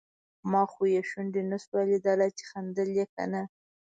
ما خو یې شونډې نشوای لیدای چې خندل یې که نه.